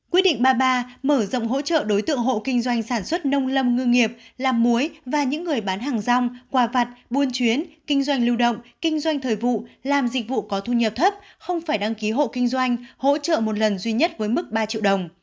quyết định ba mươi ba mở rộng hỗ trợ đối tượng hộ kinh doanh sản xuất nông lâm ngư nghiệp làm muối và những người bán hàng rong quà vặt buôn chuyến kinh doanh lưu động kinh doanh thời vụ làm dịch vụ có thu nhập thấp không phải đăng ký hộ kinh doanh hỗ trợ một lần duy nhất với mức ba triệu đồng